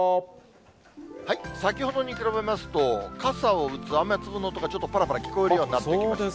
先ほどに比べますと、傘を打つ雨粒の音が、ちょっとぱらぱら聞こえるようになってきました。